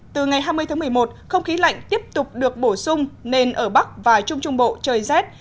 từ ngày hai mươi tháng một mươi một không khí lạnh tiếp tục được bổ sung nên ở bắc và trung trung bộ trời rét